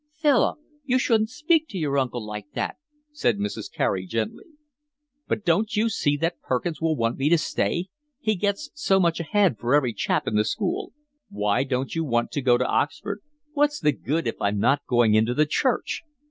"Philip, you shouldn't speak to your uncle like that," said Mrs. Carey gently. "But don't you see that Perkins will want me to stay? He gets so much a head for every chap in the school." "Why don't you want to go to Oxford?" "What's the good if I'm not going into the Church?"